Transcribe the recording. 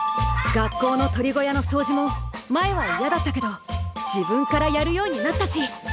学校の鶏小屋のそうじも前はいやだったけど自分からやるようになったし。